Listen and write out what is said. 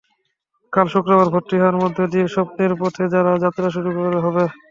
কাল শুক্রবার ভর্তি হওয়ার মধ্যে দিয়ে স্বপ্নের পথে তার যাত্রা শুরু হবে।